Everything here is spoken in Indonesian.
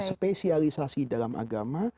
spesialisasi dalam agama